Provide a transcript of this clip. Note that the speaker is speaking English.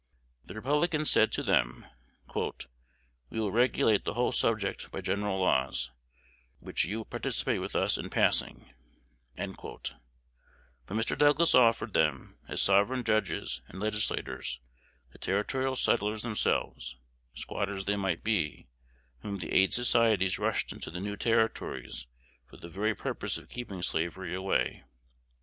The Republicans said to them, "We will regulate the whole subject by general laws, which you participate with us in passing;" but Mr. Douglas offered them, as sovereign judges and legislators, the territorial settlers themselves, squatters they might be, whom the aid societies rushed into the new Territories for the very purpose of keeping slavery away.